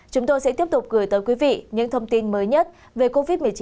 chúng tôi sẽ tiếp tục gửi tới quý vị những thông tin mới nhất về covid một mươi chín